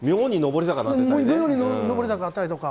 妙に上り坂だったりとか。